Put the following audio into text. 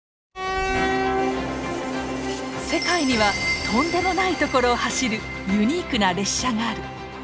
世界にはとんでもない所を走るユニークな列車がある！